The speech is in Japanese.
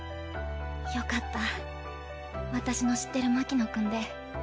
よかった私の知ってる牧野くんで。